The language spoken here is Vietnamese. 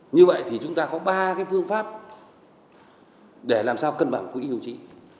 như vậy thì chúng ta có ba cái phương pháp để làm sao cân bằng quỹ bảo hiểm xã hội